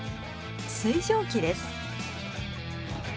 水蒸気です。